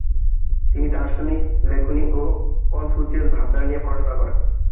তিনি দার্শনিক লেখনী ও কনফুসীয় ভাবধারা নিয়ে পড়াশোনা করেন।